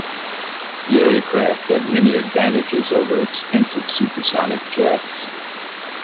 The aircraft had many advantages over expensive supersonic jets.